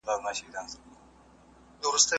ده وویل چې له اولادونو کړېږي.